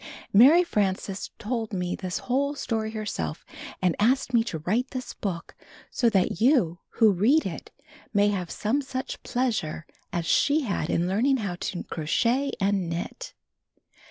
Mary Frances told me this whole story herself, and asked me to write this book so that you who read it may have some such pleasure as she had in learning how to crochet and knit.